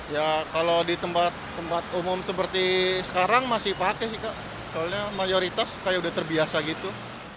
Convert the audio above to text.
ya kalau di tempat tempat umum seperti sekarang masih pakai sih kak soalnya mayoritas kayak udah terbiasa gitu